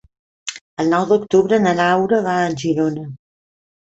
El nou d'octubre na Laura va a Girona.